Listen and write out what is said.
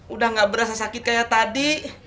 udah gak berasa sakit kayak tadi